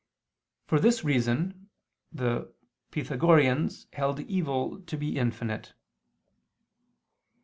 For this reason the Pythagoreans held evil to be infinite.